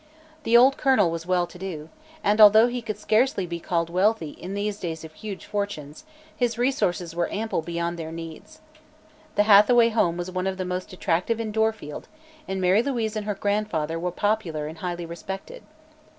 The old colonel was "well to do," and although he could scarcely be called wealthy in these days of huge fortunes, his resources were ample beyond their needs. The Hathaway home was one of the most attractive in Dorfield, and Mary Louise and her grandfather were popular and highly respected.